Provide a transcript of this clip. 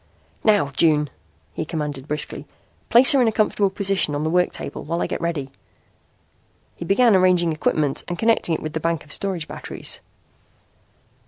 "Now, June," he commanded briskly, "place her in a comfortable position on the work table while I get ready." He began arranging equipment and connecting it with the bank of storage batteries.